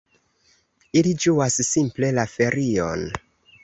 Ili ĝuas simple la ferion.